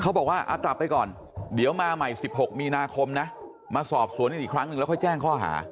เขาบอกว่ากลับไปก่อนเดี๋ยวมาใหม่๑๖มีนาคมนะมาสอบสวนกันอีกครั้งหนึ่งแล้วค่อยแจ้งข้อหา